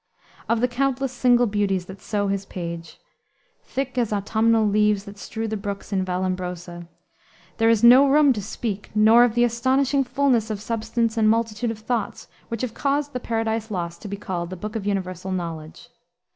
Of the countless single beauties that sow his page "Thick as autumnal leaves that strew the brooks In Valombrosa," there is no room to speak, nor of the astonishing fullness of substance and multitude of thoughts which have caused the Paradise Lost to be called the book of universal knowledge.